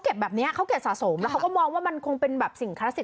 ใช่เค้าเข็ดสะสมแล้วก็มองว่ามันคงมีสิ่งคลัสสิด